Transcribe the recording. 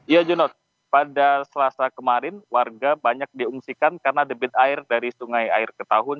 ya junod pada selasa kemarin warga banyak diungsikan karena debit air dari sungai air ke tahun